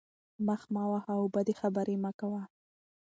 مخ مه وهه او بدې خبرې مه کوه.